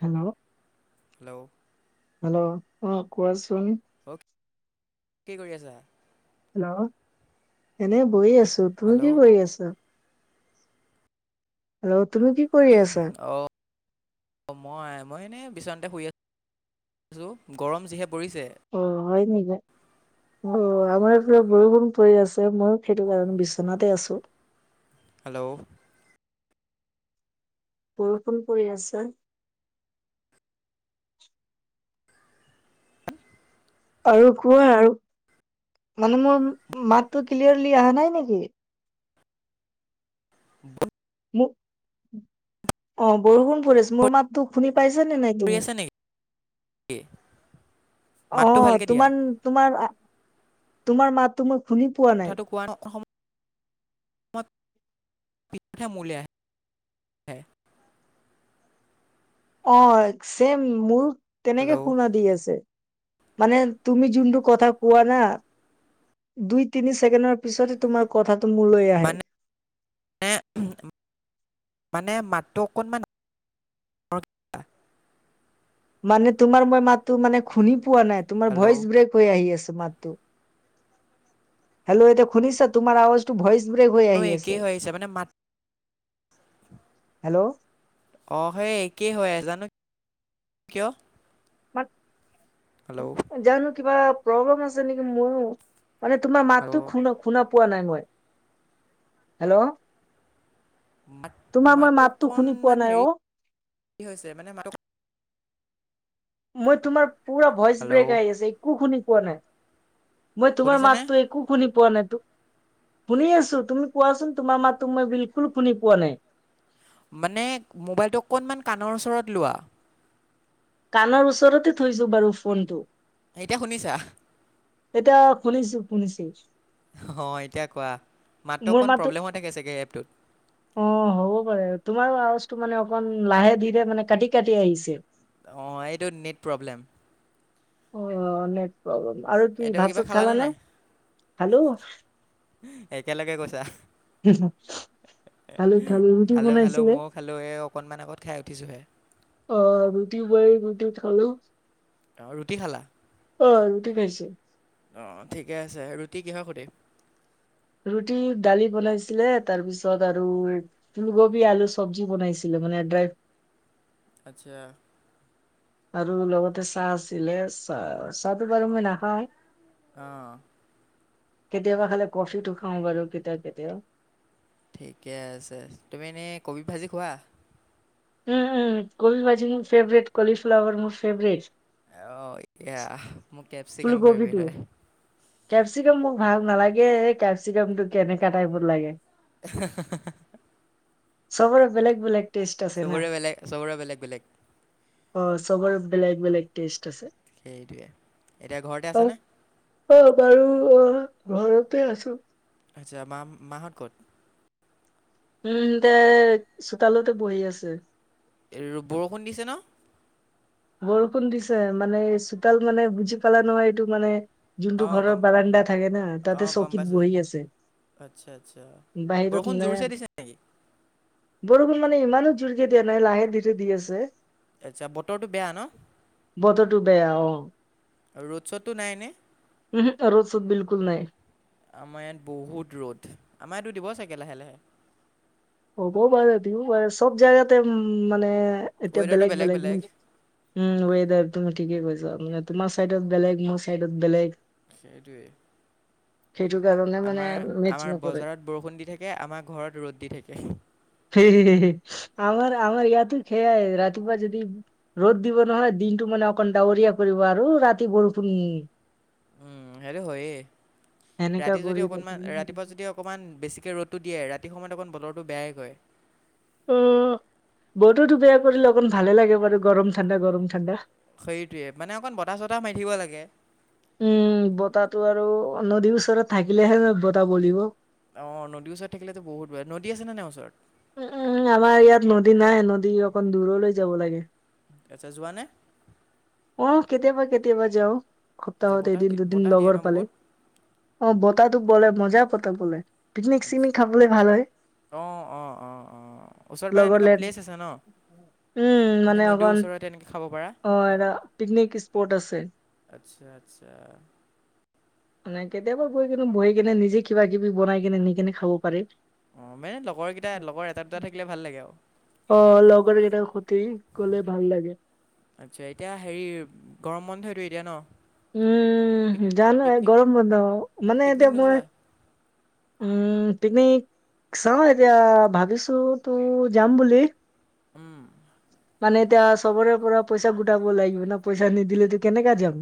Hello hello hello অ' কোৱাচোন। অ কি কৰি আছা। হেল্ল' এনে বহি আছো তুমি কি হেল্ল' কৰি আছা। হেল্ল' তুমি কি কৰি আছা। অঁ মই মই এনেই বিচনাতে শুই আছো গৰম যিহেতু পৰিছে। অ হয় নেকি অ, আমাৰ এই ফালে বৰষুণ পৰি আছে মই সেইটো কাৰণে বিচনাতে আছো। হেল্ল' বৰষুণ পৰি আছে। আৰু কোৱা আৰু মানে মোৰ মাতটো ক্লিয়াৰলি অহা নাই নেকি? [inaudible] অ, বৰষুণ পৰি আছে মোৰ মাতো শুনি পাইচা নে নাই কৰি তুমি। আছে নেকি অ, মাতটো ভালকৈ দিয়া তোমাৰ তোমাৰ মাত- তোমাক কথাটো কোৱাৰ সম- [unintelligible] অ, ছেম মোৰো তেনেকে হেল্ল' শুনা দি আছে। মানে তুমি যোনটো কথা কোৱা না- দুই তিনি ছেকেণ্ডৰ পিছতে তোমাৰ কথা- টো মোলৈ আহে। মানে মানে মাতটো অকণমান- ডাঙৰকে দিয়া। মানে তোমাৰ মই মাতটো মানে শুনি পোৱা নাই তোমাৰ হেল্ল' ভইচ ব্ৰেক হৈ আহি আছো মাতটো। হেল্ল এতিয়া খুনিছা তোমাৰ আৱাজ টো ভইচ- হৈ আৰু আহি একেই আছে হৈ আহিছে মানে মাত হেল্ল'- অ, সেই একেই হয় জানো কিয়- মাত হেল্ল' নাজানো কিবা প্ৰব্লেম আছে নেকি ময়ো- মানে তোমাৰ মাতটো হেল্ল' খুনা শুনা পোৱা নাই মই হেল্ল' - মাত মাতটো পোৱা অকণমান নাই অ হেৰি হৈছে মানে মাত - মই তোমাৰ পুৰা ভইচ হেল্ল' ব্ৰেক আহি আছে একো শুনি পোৱা নাই। মই তোমাৰ শুনিছানে মাততো একো শুনি পোৱা নাইতো- শুনি আছো তুমি কোৱাচোন তোমাৰ মাতো মই বিলকুল শুনি পোৱা নাই। মানে মোবাইলটো অকণমান কাণৰ ওচৰত লোৱা। কাণৰ ওচৰতে থৈছো বাৰু ফোনটো। এতিয়া শুনিছা? এতিয়া শুনিছো শুনিছো। অ এতিয়া কোৱা মাত্ৰ মোৰ অকণ মাতো প্ৰব্লেম হৈ থাকে চাগে এপটোত। অ হ'ব পাৰে তোমাৰো আৱাজটো মানে অকমান লাহে ধীৰে মানে কাটি কাটি আহিছে। অ এইটো নেট প্ৰব্লেম। অ নেট প্ৰব্লেম আৰু তুমি এইটো ভাত কিবা চাত খালা খালানে নে। নাই হেল্ল'। একেলগে কৈছা [unintelligible] খালোঁ খালোঁ মইও খালোঁ এ অকনমান আগত খাই উঠিছো হে। অ ৰুটি বনাই ৰুটি খালোঁ। অ ৰুটি খালা। অ ৰুটি খাইছোঁ। অ ঠিকে আছে ৰুটি কিহৰ সৈতে। ৰুটি দালি বনাইছিলে তাৰ পিছত আৰু ফুলকবি আলু চব্জি বনাইছিলে। মানে ড্ৰাইভ। আচ্ছা। আৰু লগতে চাহ আছিলে চাহ চাহটো বাৰু মই নাখাওঁ। অহ। কেতিয়াবা খালে কফিটো খাওঁ বাৰু কেতিয়া কেতিয়া। ঠিকে আছে তুমি এনেই কবি ভাজি খোৱো? উম উম কবি ভাজি মোৰ ফেভৰেট কলি ফ্লাৱাৰ মোৰ ফেভৰেট। অহ এয়া মোৰ কেপচিকাম ফেভৰেট ফুলকবিটো। হয়। কেপচিকাম মোক ভাল নালাগে কেপচিকামটো কেনেকা টাইপৰ লাগে। [unintelligible] চবৰে বেলেগ বেলেগ। টেষ্ট আছে না চবৰে বেলেগ চবৰে বেলেগ বেলেগ অ চবৰ বেলেগ -বেলেগ টেষ্ট আছে। সেইটোৱে এতিয়া ঘৰতে আছে অ', নে? বাৰু অ ঘৰতে আছোঁ। আচ্ছা মা মাহত ক'ত? উম দে চোতালতে বহি আছে। বৰষুণ দিছে নহ। বৰষুণ দিছে মানে চোতাল মানে বুজি পালা নহয় এইটো মানে যোনটো অঁ গম ঘৰৰ বাৰাণ্ডা থাকে না অঁ তাতে গম চকীত পাইছোঁ বহি আছে আচ্ছা আচ্ছা বাহিৰত বৰষুণ মানে জোৰ চ দিছে নেকি বৰষুণ মানে ইমানো জুৰিকে দিয়া নাই লাহে দিটো দি আছে এ যাব বতৰটো বেয়া অ ৰ'ড শ্ব'ত টো নাই নে উহু ৰ'দ চ'দ বিলকুল নাই। আমাৰ ইয়াত বহুত ৰ'দ আমাৰ ইয়াতো দিব চাগে লাহে লাহে হ'ব পাৰে দিব পাৰে চব জেগাতে উ মানে এতিয়া বেলেগ বেলেগ উ ৱদাৰ তুমি ঠিকে কৈছ তোমাৰ চাইডত বেলেগ মোৰ চাইডত বেলেগ সেইটোৱে সেইটো কাৰণে মানে আমাৰ মেচ আমাৰ নকৰে। বজাৰত বৰষুণ দি থাকে আমাৰ ঘৰত ৰ'দ দি থাকে আমাৰ আমাৰ ইয়াতো খেয়াই ৰাতিপুৱা যদি ৰ'দ দিব নহয় দিনটো মানে অকণ ডাৱৰীয়া কৰিব আৰু ৰাতি বৰষুণ উম হেৰি হয় এনেকা ৰাতি কৰি যদি থাকে। অকণমান ৰাতিপুৱা যদি অকণমান বেছিকে ৰ'দটো দিয়ে ৰাতি সময়ত অকমান বতৰটো বেয়াই কয় অ বতৰতো বেয়া কৰিলে অকন ভালে লাগে বাৰু গৰম ঠাণ্ডা গৰম ঠাণ্ডা সেইটোৱে মানে অকণ বতাহ চতাহ মাৰি থাকিব লাগে উম বতাহটো আৰু নদীৰ ওচৰত থাকিলেহে ন বতাহ বলিব অ নদীৰ ওচৰত থাকিলেতো বহুত ব নদী আছে নাই ওচৰত উ উম আমাৰ ইয়াত নদী নাই নদী অকণ দূৰলৈ যাব লাগে আচ্ছা যোৱা নে অ কেতিয়াবা কেতিয়াবা যাও আচ্ছা সপ্তাহত বতাহ এদিন দি দুদিন বতাহ দিয়ে ন লগৰ পালে বহুত অ বতাহটো বলে মজা পতা বলে পিকনিক চিকনিক খাবলৈ ভাল হয় অহ অ অ অ ওচৰ পে লগৰ এনেকুৱা লে প্লেচ আছে ন উম মানে নদীৰ অকণ ওচৰতে এনেকৈ খাব পাৰা অ আৰু পিকনিক স্পট আছে আচ্ছা আচ্ছা মানে কেতিয়াবা বৈ কিনে বহি কিনে নিজে কিবা কিবি বনাই কিনে নিকনে খাব পাৰিম অ মানে লগৰ কেইটা লগৰ এটা দুটা থাকিলে ভাল লাগে আৰু অ লগৰ কেইটা ক্ষতি গ'লে ভাল লাগে আচ্ছা এতিয়া হেৰি গৰম বন্ধটোো এতিয়া ন পিক উম জানো পিকনিক গৰম বন্ধ মানে পিকনিক এতিয়া মই নোযোৱা উম পিকনিক চাওঁ এতিয়া ভাবিছো তো যাম বুলি উম, মানে এতিয়া চবৰে পৰা পইচা গোটাব লাগিব না পইচা নিদিলেেতো কেনেককা যাম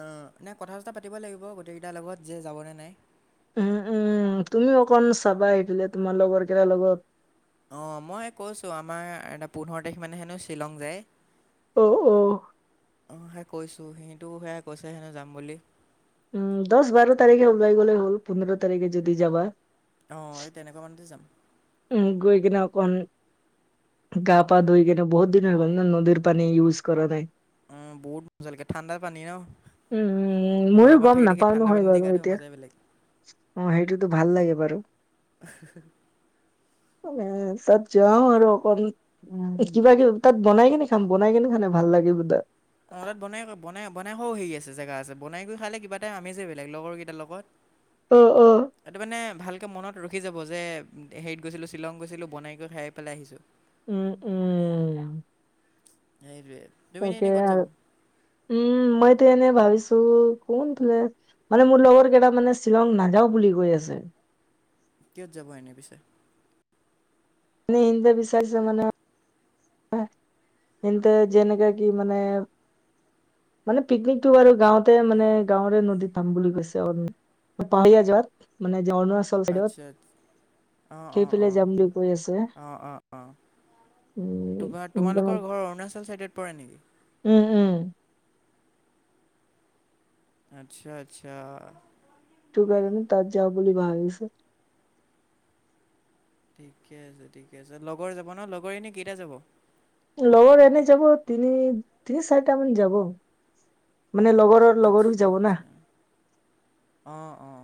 আহ নাই কথা চথা পাতিব লাগিব গোটেইকেইটাৰ লগত যে যাবনে নাই উম, উম, তুমি অকণ চাবা আহকিল তোমাৰ লগৰ কেলাৰ লগত অ মই কৈছো আমাৰ এ পোন্ধৰ তাৰিখ মানে হেনো শ্বিলং যায় উ উ কৈছো সিহটো সেয়াই কৈছে হেনো যাম বুলি উম দহ বাৰ তাৰিখে ওললাই গ'লে হ'ল পোন্ধৰ তাৰিখে যদি যাবা অ এই তেনেকুৱা মানুহতে যাম গৈ কিনে অকণ গা পা ধইকনে বহত দিন গ ন নদীৰ পানী ইয়উজ কৰা নাই উম বহুত মজাালকে ঠাণ্ডা পানী ন উম, ময়ো গৰমত গম থাকি থাকি নাপাও ঠাণ্ডা নহয় পানী দি বাৰু গা ধুই এতিয়া মজাই বেলেগ অ সেইটোতো ভাল লাগে বাৰু। এ তাত যাওঁ আৰু অকন কিবা কিবি তাত বনাই কেনে খাম বনাই কেনে খাই ভাল লাগে বোধহয়। অ তাত বনাই বনাই বনাই খোৱা হেৰি আছে জেগা আছে বনাই গৈ খালে কিবা এটা আমেজই বেলেগ লগৰ কেইটাৰ লগত। অ অ। ভালকে মনত ৰখি যাব যে হেৰিত গৈছিলো শ্বিলং গৈছিলো বনাই গৈ খাই পেলাই আহিছো। উম উম। সেইটোৱে তুমি এনে তাকে এনেই ক'ত যাব আৰু উম মইতো এনে ভাবিছো। [unintelligible] কোনফালে মানে মোৰ লগৰ কেইটা মানে শ্বিলং নাযাওঁ বুলি কৈ আছে। কিহত যাব এনে পিছে? মানে [unintelligible] বিচাৰিছে মানে। সিহঁতে যেনেকা কি মানে। মানে পিকনিকটো বাৰু গাঁৱতে মানে গাঁৱৰে নদীত খাম বুলি কৈছে অ। পাহাৰীয়া যোৱাত মানে অৰুণাচল চাইদত। আচ্ছা অঁ অঁ সেইফালেই অঁ যাম বুলি কৈ আছে অঁ অঁ অঁ উম তোমাৰ তোমালোকৰ উম। অৰুণাচল চাইডত পৰে নেকি? উম উম। আচ্ছা আচ্ছা,। সিটো কাৰণে তাত যাওঁ বুলি ভাবিছোঁ। ঠিকে আছে ঠিকে আছে লগৰে যাব নহ লগৰ এনে কেইটা যাব? লগৰ এনে যাব তিনি তিনি চাৰিটা মান যাব। মানে লগৰৰ লগৰ আচ্ছা যাব না, আচ্ছা অঁ অঁ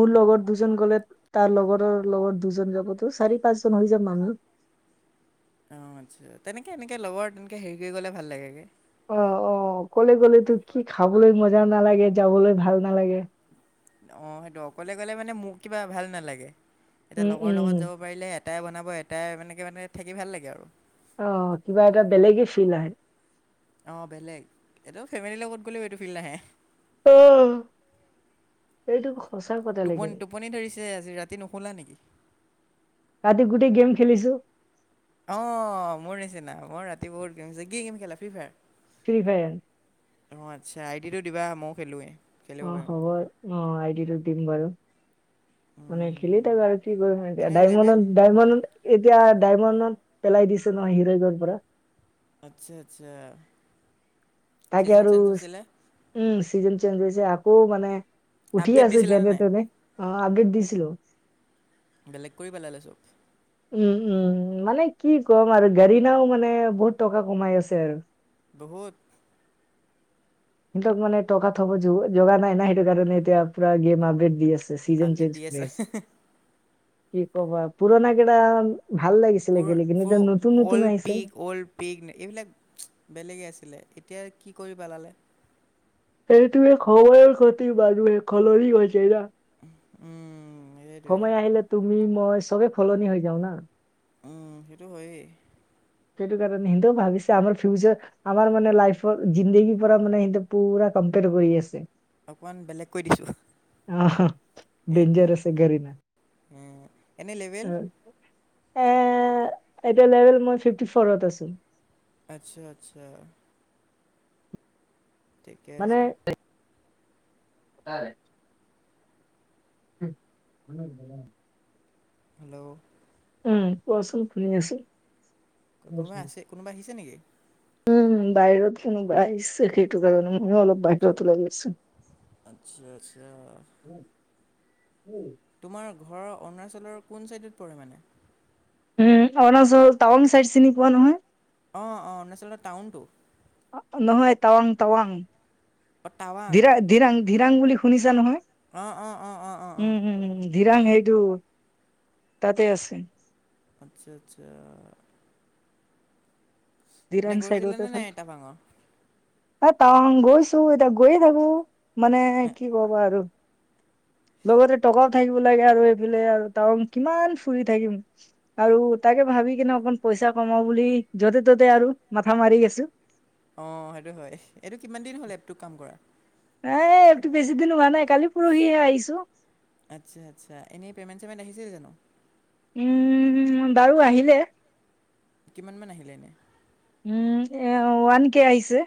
মোৰ লগত। দুজন গ'লে তাৰ লগৰৰ লগত দুজন যাবতো চাৰি পাঁচজন হৈ যাম মানুহ। অ আচ্ছা তেনেকে এনেকে লগৰ তেনেকে হেৰি কৰি গলে ভাল লাগে। অ অ অকলে অকলেটো কি খাবলৈ মজা নালাগে যাবলৈ ভাল নালাগে। অ সেইটো অকলে গলে মানে মোক কিবা ভাল নালাগে এতিয়া উম লগৰ লগত উম যাব পাৰিলে। এটাই বনাব এটাই মানে কি মানে থাকি ভাল লাগে আৰু। অ কিবা এটা বেলেগে ফিল আহে। অ বেলেগ এইটো ফেমিলিৰ লগত গ'লেও এইটো ফিল নাহে। অ এইটো। সঁচা কথা লেকিন টোপনি টোপনি ধৰিছে আজি ৰাতি নুশুলা নেকি? ৰাতি গোটেই গেম খেলিছোঁ। অ মোৰ নিচিনা মই ৰাতি বহুত গেম যে কি গেম খেলা ফ্ৰ্ৰী ফায়াৰ? ফ্ৰী ফায়াৰ অ আচ্ছা আইদিটো দিবা মইও খেলোৱে। অ হ'ব অ আইডিটো দিম বাৰু। মানে খেলি উম, থাকোঁ আৰু কি কৰিম এনে লেভেল দাইমণ্ডন দাইমণ্ড। এতিয়া ডায়মণ্ডত পেলাই দিছে নহয় হিৰাইকৰ পৰা। আচ্ছা আচ্ছা। তাকে ছিজন আৰু চেঞ্জ হৈছিলে উম চিজন চেঞ্জ হৈছে আকৌ মানে। উঠি আপডেট আছে দিছিলানে যেনে নাই তেনে অ আপডেট দিছিলোঁ। বেলেগ কৰি পেলালে চব। উম উম মানে কি ক'ম আৰু গাড়ীনাও মানে বহুত টকা কমাই আছে আৰু। বহুত। সিহঁতক মানে টকা থব জগা নাই না সেইটো কাৰণে এতিয়া পুৰা গেম আপডেট দি আছে। ছিজন আপডেট চেঞ্জ দি হৈ আছে কি ক'বা পুৰণা কেইটা। ভাল লাগিছিলে পুৰ খেলি কিন্তু এতিয়া পুৰ নতুন নতুন অল্ড আহিছে পিক অল্ড পিক এইবিলাক বেলেগে আছিলে। এতিয়া কি কৰি পেলালে। সেইটোৱে সময়ৰ ক্ষতি বাৰু। [unintelligible] উম। সেইটোৱে সময় আহিলে তুমি মই চবে সলনি হৈ যাওঁ না। উম সেইটো হয়েই। সেইটো কাৰণে সিহঁতেও ভাবিছে আমাৰ ফিউচাৰ আমাৰ মানে লাইফৰ জিন্দগীৰ পৰা মানে পুৰা। কম্পেয়াৰ কৰি আছে। অকণমান বেলেগকৈ দিছোঁ। আহা। উ এনে লেবেল এ এতিয়া লেভেল মই ফিফটি ফৰত আছো। আচ্ছা আচ্ছা। ঠিকে আছে। বাৰে [inaudible] হেল্ল' উম কোৱাচোন শুনি আছো। কোনোবা আছে কোনোবা আহিছে নেকি? উম বাহিৰত কোনোবা আহিছে সেইটো কাৰণে ময়ো অলপ বাহিৰত ওলাই গৈছো। আচ্ছা আচ্ছা। তোমাৰ ঘৰৰ অৰুণাচলৰ কোন চাইডত পৰে মানে? উম চ টাৱং চাইড চিনি পোৱা নহয়? অ, অ, অৰুণাচলৰ টাউনতটো নহয় তাৱাং তাৱাং অ, তাৱাং ধিৰাং বুলি শুনিছা নহয়? অ অ অ অ অ অ। ধীৰাং সেইটো তাতে আছে। আচ্ছা আচ্ছা। এনে ধিৰাং চাইডতে গৈছিলেনে নাই চাল টাৱাঙৰ এ তাৱাং গৈছো এতিয়া গৈয়ে থাকো মানে কি কবা আৰু। [inaudible] লগতে টকাও থাকিব লাগে আৰু এইফালে আৰু তং কিমান ফুৰি থাকিম আৰু তাকে ভাবি কিনে অকণ পইচা কমাও বুলি য'তে ত'তে আৰু মাথা মাৰি আছো। অঁ সেইটো হয় এইটো কিমান দিন হ'ল এপটোত কাম কৰা এ একতো বেছি দিন হোৱা নাই কালি পৰহিহে আহিছো। চমেট আহিছে জানো। উম বাৰু আহিলে। কিমান মান আহিলে এনে। উম এ ওৱান কে আহিছে।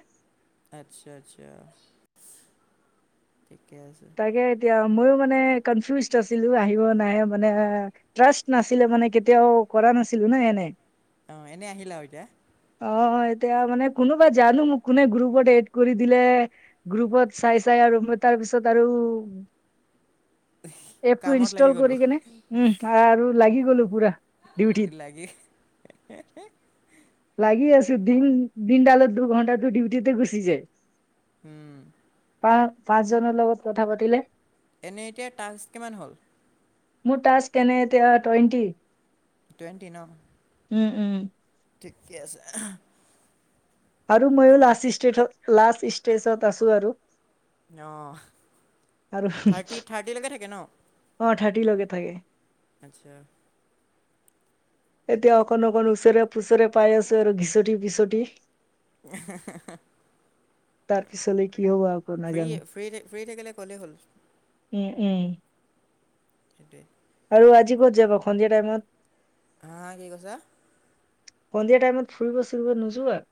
আচ্ছা আচ্ছা। ঠিকে আছে তাকে এতিয়া মইও মানে কনফিউজ আছিলোঁ আহিব নাই মানে ট্ৰাষ্ট নাছিলে মানে কেতিয়াও কৰা নাছিলো ন এনে অ, এনেই আহিলা এতিয়া। অ এতিয়া মানে কোনোবা জানো মোক কোনে গ্ৰুপত এড কৰি দিলে গ্ৰুপত চাই চাই আৰু। তাৰপিছত আৰু এপ টো কামত লাগি ইনষ্টল কৰি গ'লোঁ কেনে লাগি গ'লো পুৰা। ই ডিউটিত লাগে কি দ দিনডালত দুঘণ্টাটো ডিউটতে গুচি যায়। উম। প পাঁচজনৰ লগত কথা পাতিলে। এনে এতিয়া টাস্ক কিমান হ'ল? মোৰ টাাস্ক কেনে এতিয়া টুৱেণ্টি। টুৱেণ্ট ন? উম উম। ঠিকে আছে আৰু ময়ো লাষ্ট ষ্টেথ লাষ্ট ষ্টেজত আছো আৰু অ আৰু থাৰ্টি থাৰ্টিলৈকে থাকে ন অ থাৰ্টি লৈকে থাকে আচ্ছা এতিয়া অকণ অকণ ওচৰে পুচৰে পাই আছো আৰু ঘিচটি পিচটি তাৰ পিছলৈ কি হ'ব আকৌ ফ্ৰী নাজানো ফ্ৰী ফ্ৰী থাকিলে ক'লেই হ'ল উম-উম। সেইটোৱেইে। আৰু আজি ক'ত যাব সন্ধিয়া টাইমত? হা কি কৈছা? সন্ধিয়া টাইমত ফুৰিব ফুৰিব নোযোৱা আৰু।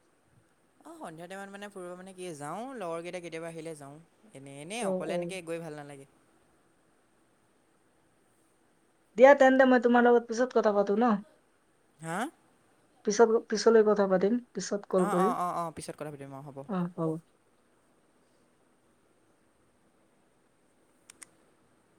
অ, সন্ধিয়াতোই মানে ফুব মানে কি যাওঁ লগৰ কেইটা কেতিয়াবা আহিলে যাওঁ। এনেই-এনেই উম, অকলে উম। এনেকে গৈ ভাল নালাগে। দিয়া তেন্তে মই তোমাৰ লগত পিছত কথা পাতো ন। হা? পিছত - পিছলৈ কথা পাতিম পিছত কল অঁ কৰিম অঁ অঁ অঁ পিছত কথা পাতিম অঁ হ'ব আহ পাব।